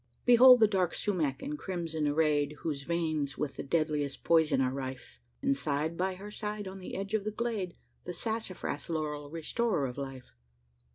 Behold the dark sumac in crimson arrayed, Whose veins with the deadliest poison are rife! And, side by her side, on the edge of the glade, The sassafras laurel, restorer of life!